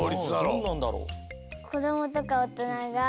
どんなんだろう。